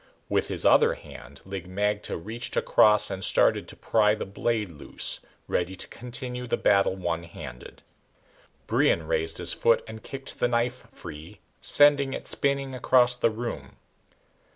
With his other hand Lig magte reached across and started to pry the blade loose, ready to continue the battle one handed. Brion raised his foot and kicked the knife free, sending it spinning across the room.